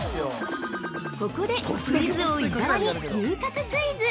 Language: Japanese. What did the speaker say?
◆ここでクイズ王・伊沢に牛角クイズ。